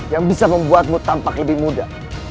yang bisa membuatmu tampak lebih muda